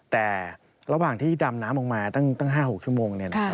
แต่ระหว่างที่ดำน้ำออกมาตั้ง๕๖ชั่วโมง